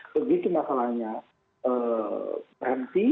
begitu masalahnya berhenti